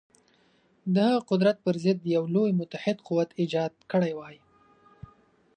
د هغه قدرت پر ضد یو لوی متحد قوت ایجاد کړی وای.